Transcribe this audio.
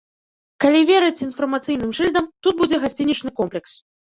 Калі верыць інфармацыйным шыльдам, тут будзе гасцінічны комплекс.